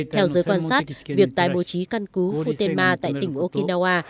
theo giới quan sát việc tài bố trí căn cứ futenma tại tỉnh okinawa